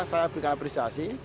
saya memberikan apresiasi